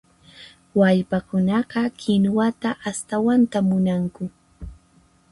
Wallpakunaqa kinuwata astawanta munanku.